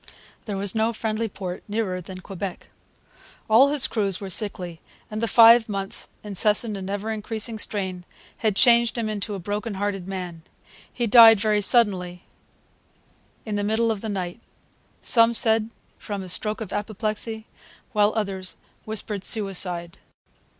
There was no friendly port nearer than Quebec. All his crews were sickly; and the five months' incessant and ever increasing strain had changed him into a broken hearted man. He died very suddenly, in the middle of the night; some said from a stroke of apoplexy, while others whispered suicide.